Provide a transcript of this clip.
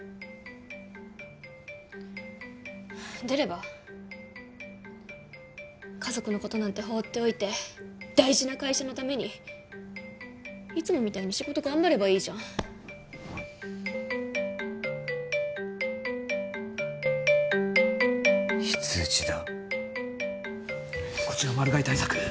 出れば家族のことなんて放っておいて大事な会社のためにいつもみたいに仕事頑張ればいいじゃん非通知だ・こちらマル害対策